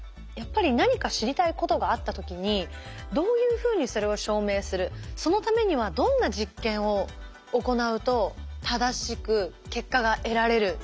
やっぱり何か知りたいことがあった時にどういうふうにそれを証明するそのためにはどんな実験を行うと正しく結果が得られる。